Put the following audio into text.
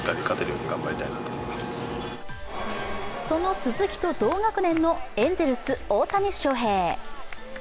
その鈴木と同学年のエンゼルス・大谷翔平。